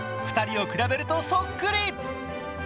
２人を比べるとそっくり！